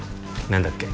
何だっけ？